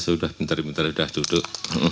sudah bentar pintar sudah duduk